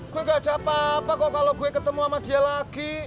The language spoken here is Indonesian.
gue gak ada apa apa kok kalau gue ketemu sama dia lagi